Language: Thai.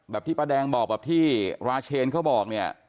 ที่ป้าแดงบอกแบบที่ราเชนเขาบอกเนี่ย